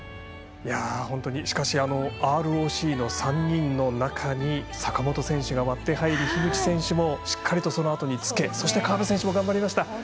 ＲＯＣの３人の中に坂本選手が割って入り樋口選手もしっかりと、そのあとにつけそして、河辺選手も頑張りました。